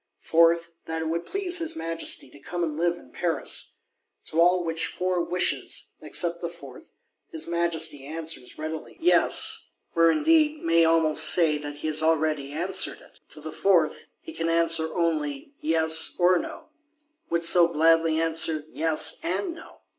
Fourth, that it would please his Majesty to come and live in Paris. To all which four wishes, except the fourth, his Majesty answers readily, Yes; or indeed may almost say that he has already answered it. To the fourth he can answer only, Yes or No; would so gladly answer, Yes and No!